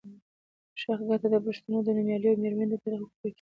شېخ کټه د پښتنو د نومیالیو او مېړنیو د تاریخ کتاب وکېښ.